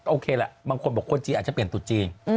โอเคละบางคนบอกว่าคนจีนอาจจะเปลี่ยนตัวจริง